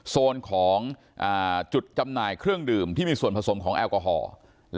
โซนของจุดจำหน่ายเครื่องดื่มที่มีส่วนผสมของแอลกอฮอล์